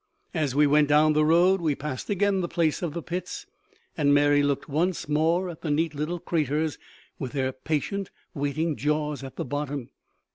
As we went down the road we passed again the place of the pits, and Mary looked once more at the neat little craters with their patient waiting jaws at the bottom.